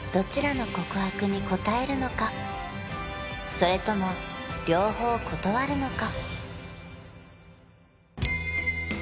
それとも両方断るのか？